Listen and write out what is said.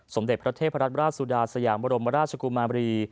สมเด็จพระเทพรัตนราชสุดาสยามบรมราชกุมารี